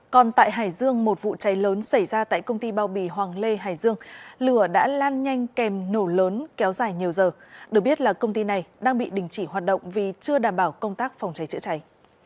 còn tại hải dương một vụ cháy lớn xảy ra tại công ty bao bì hoàng lê hải dương lửa đã lan nhanh kèm nổ lớn kéo dài nhiều giờ được biết là công ty này đang bị đình chỉ hoạt động vì chưa đảm bảo công tác phòng cháy chữa cháy